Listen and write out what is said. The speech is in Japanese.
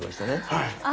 はい。